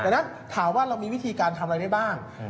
ดังนั้นถามว่าเรามีวิธีการทำอะไรได้บ้าง